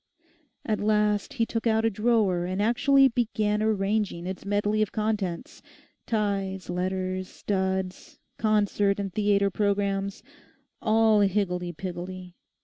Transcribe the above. At last he took out a drawer and actually began arranging its medley of contents; ties, letters, studs, concert and theatre programmes—all higgledy piggledy.